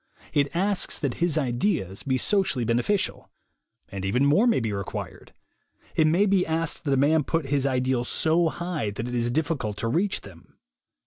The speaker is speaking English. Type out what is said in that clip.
It asks that his ideals be socially beneficial. And even more may be required. It may be asked that a man put his ideals so high that it is difficult to reach them.